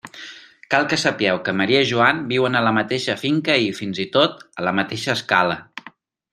Cal que sapieu que Maria i Joan viuen a la mateixa finca i, fins i tot, a la mateixa escala.